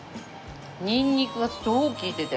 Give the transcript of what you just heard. ニンニクが超利いてて。